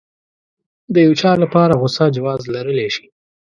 د يو چا لپاره غوسه جواز لرلی شي.